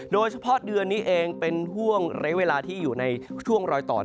โดยเฉพาะเดือนนี้เองเป็นห่วงระยะเวลาที่อยู่ในช่วงรอยต่อ